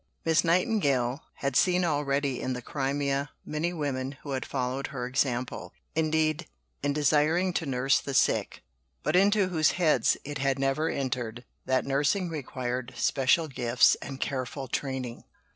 Miss Nightingale had seen already in the Crimea many women who had followed her example, indeed, in desiring to nurse the sick, but into whose heads it had never entered that nursing required special gifts and careful training.